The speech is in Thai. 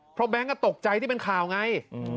เพราะแก๊งก็ตกใจที่เป็นข่าวไง